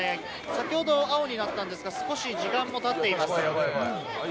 先ほど青になったんですが、少し時間も経っています。